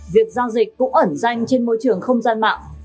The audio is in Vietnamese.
việc giao dịch cũng ẩn danh trên môi trường không gian mạng